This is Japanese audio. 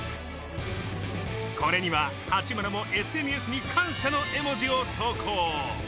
これには八村もＳＮＳに感謝の絵文字を投稿。